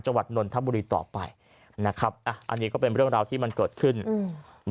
นนทบุรีต่อไปนะครับอ่ะอันนี้ก็เป็นเรื่องราวที่มันเกิดขึ้นอืม